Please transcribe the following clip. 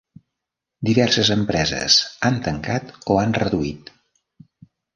Diverses empreses han tancat o 'han reduït.